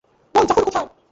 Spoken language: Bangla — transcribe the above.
বল জাফর কোথায়?